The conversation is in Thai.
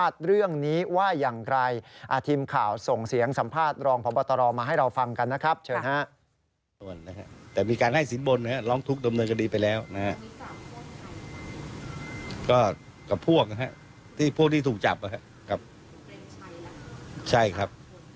ทีมข่าวส่งเสียงสัมภาษณ์รองผบตรมาให้เราฟังกันนะครับ